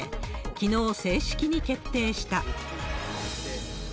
きのう、正式に決定した。